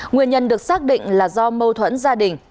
nguyên nhân được xác định là do mâu thuẫn gia đình